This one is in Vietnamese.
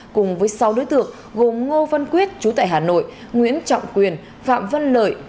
cùng với sáu đối tượng gồm ngô văn quyết chú tại hà nội nguyễn trọng quyền phạm văn lợi